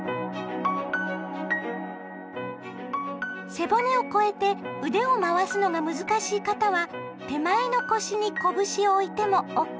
背骨を越えて腕を回すのが難しい方は手前の腰に拳を置いてもＯＫですよ。